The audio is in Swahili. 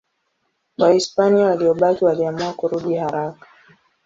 Wahispania waliobaki waliamua kurudi haraka.